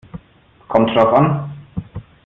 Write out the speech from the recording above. Kommt drauf an.